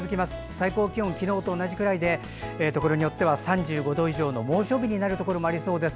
最高気温は昨日と同じくらいでところによっては３５度以上の猛暑日になるところもありそうです。